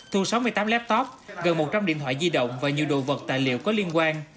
thu sáu mươi tám laptop gần một trăm linh điện thoại di động và nhiều đồ vật tài liệu có liên quan